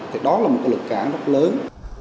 thì đó là một lực cản rất lớn